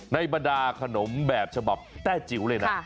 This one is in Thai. บรรดาขนมแบบฉบับแต้จิ๋วเลยนะ